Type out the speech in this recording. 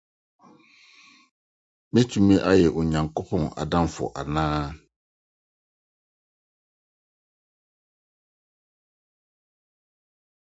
So Metumi Ayɛ Onyankopɔn Adamfo Ankasa?